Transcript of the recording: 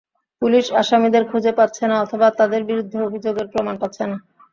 Police আসামিদের খুঁজে পাচ্ছে না অথবা তাদের বিরুদ্ধে অভিযোগের প্রমাণ পাচ্ছে না।